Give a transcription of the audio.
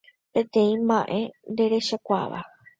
Peteĩ ma'ẽ nderechakuaáva